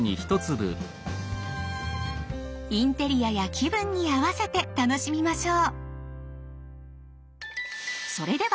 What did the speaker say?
インテリアや気分に合わせて楽しみましょう。